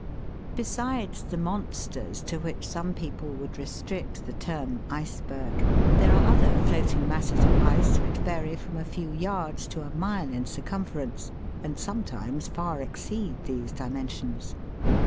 Besides the monsters to which some people would restrict the term iceberg, there are other floating masses of ice which vary from a few yards to a mile in circumference, and sometimes far exceed these dimensions (Fig.